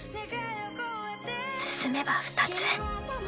進めば２つ。